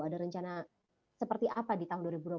ada rencana seperti apa di tahun dua ribu dua puluh